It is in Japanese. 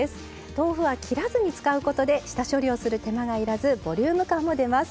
豆腐は切らずに使うことで下処理をする手間が要らずボリューム感も出ます。